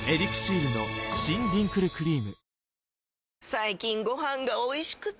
最近ご飯がおいしくて！